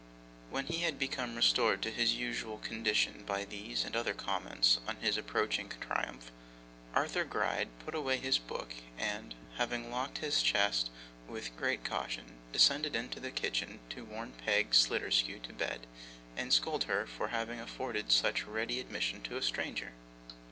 When he had become restored to his usual condition by these and other comments on his approaching triumph, Arthur Gride put away his book, and, having locked the chest with great caution, descended into the kitchen to warn Peg Sliderskew to bed, and scold her for having afforded such ready admission to a stranger.